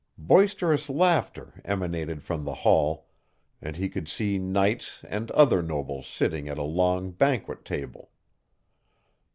Boisterous laughter emanated from the hall, and he could see knights and other nobles sitting at a long banquet table.